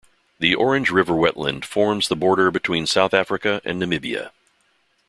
The Orange River wetland forms the border between South Africa and Namibia.